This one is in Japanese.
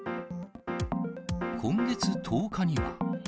今月１０日には。